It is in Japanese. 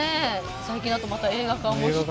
最近だとまた映画化もして。